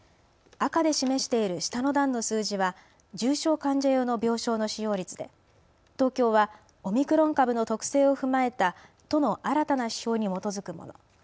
赤で示している下の段の数字は重症患者用の病床の使用率で東京はオミクロン株の特性を踏まえた都の新たな指標に基づくもの。